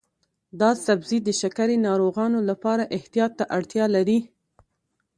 دا سبزی د شکرې ناروغانو لپاره احتیاط ته اړتیا لري.